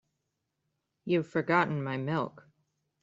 You've forgotten my milk.